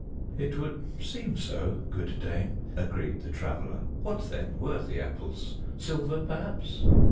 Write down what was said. "It would seem so, good dame," agreed the Traveler. "What then were the apples silver, perhaps?"